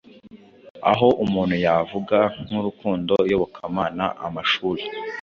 Aha umuntu yavuga nk’urukundo, iyobokamana, amashuri,